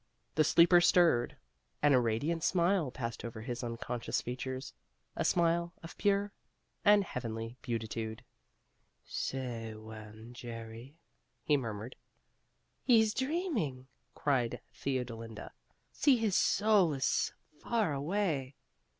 The sleeper stirred, and a radiant smile passed over his unconscious features a smile of pure and heavenly beatitude. "Say when, Jerry," he murmured. "He's dreaming!" cried Theodolinda. "See, his soul is far away!"